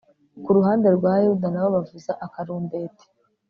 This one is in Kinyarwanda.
ku ruhande rwa yuda na bo bavuza akarumbeti